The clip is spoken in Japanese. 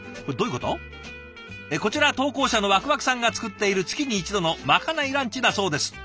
こちら投稿者のわくわくさんが作っている月に一度のまかないランチだそうです。